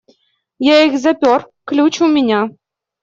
Я их запер, ключ у меня.